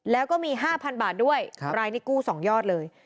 แล้วก็มี๕๐๐บาทด้วยรายนี้กู้๒ยอดเลย